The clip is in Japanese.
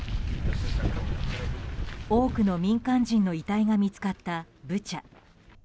多くの民間人の遺体が見つかったブチャ。